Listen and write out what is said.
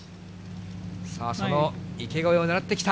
さあ、その池越えを狙ってきた。